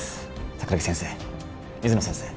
桜木先生水野先生